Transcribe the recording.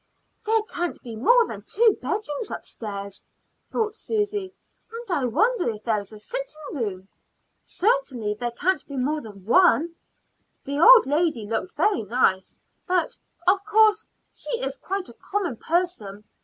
"There can't be more than two bedrooms upstairs," thought Susy. "And I wonder if there is a sitting room? Certainly there can't be more than one. The old lady looked very nice; but, of course, she is quite a common person.